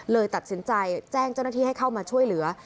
ตัดสินใจแจ้งเจ้าหน้าที่ให้เข้ามาช่วยเหลือ